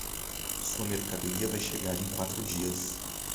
Sua mercadoria vai chegar em quatro dias.